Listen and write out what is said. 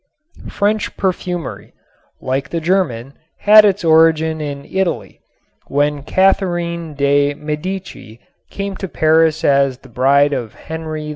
French perfumery, like the German, had its origin in Italy, when Catherine de' Medici came to Paris as the bride of Henri II.